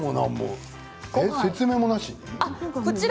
説明もなしに？